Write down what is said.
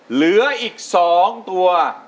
เหลืออีก๒ตัว